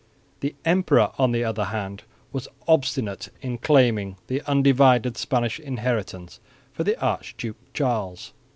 The emperor on the other hand was obstinate in claiming the undivided Spanish inheritance for the Archduke Charles.